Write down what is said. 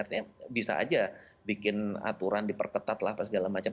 artinya bisa aja bikin aturan diperketat lah apa segala macam